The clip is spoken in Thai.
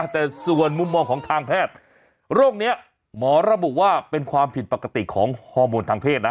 แต่ส่วนมุมมองของทางแพทย์โรคนี้หมอระบุว่าเป็นความผิดปกติของฮอร์โมนทางเพศนะ